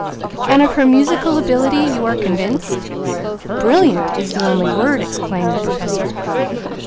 "And of her musical ability you are convinced?" "Brilliant is the only word," exclaimed the Professor.